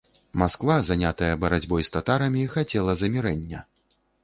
Масква, занятая барацьбой з татарамі, хацела замірэння.